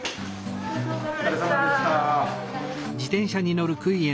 お疲れさまでした。